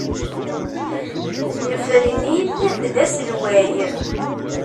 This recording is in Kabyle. Nefren-it d aselway.